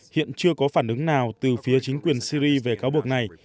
hiện chưa có phản ứng nào từ phía chính quyền syri về cáo buộc này